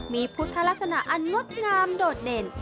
มีพุทธลักษณะอันงดงามโดดเด่น